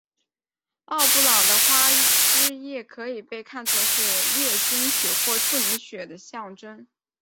奥布朗的花汁液可以被看做是月经血或处女血的象征。